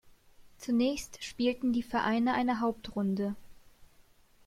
Zunächst spielten die Vereine eine Hauptrunde.